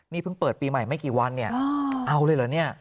นี่เพิ่งเปิดปีใหม่ไม่กี่วันเนี่ยเอาเลยเหรอเนี่ย